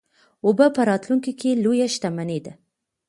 اوبه په راتلونکي کې لویه شتمني ده.